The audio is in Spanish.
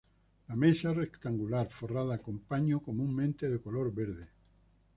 La mesa es rectangular, forrada con paño comúnmente de color verde.